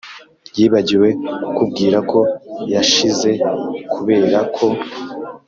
yibagiwe kukubwira ko yashize kubera ko